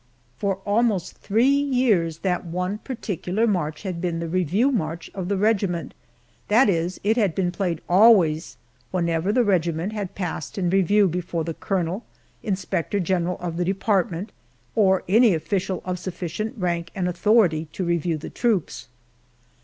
For almost three years that one particular march had been the review march of the regiment that is, it had been played always whenever the regiment had passed in review before the colonel, inspector general of the department, or any official of sufficient rank and authority to review the troops.